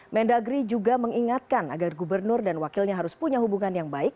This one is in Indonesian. mendagri juga mengingatkan agar gubernur dan wakilnya harus punya hubungan yang baik